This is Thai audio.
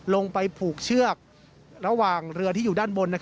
ลงไปผูกเชือกระหว่างเรือที่อยู่ด้านบน